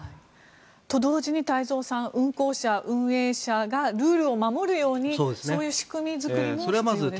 と同時に太蔵さん運航者、運営者がルールを守るようにそういう仕組み作りも必要ですね。